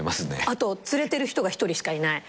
あと連れてる人が１人しかいない。